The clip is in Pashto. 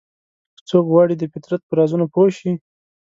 که څوک غواړي د فطرت په رازونو پوه شي.